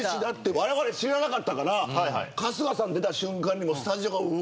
われわれ知らなかったから春日さん出た瞬間にもうスタジオがわって。